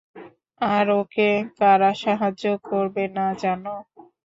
আর ওকে কারা সাহায্য করবে না, জানো?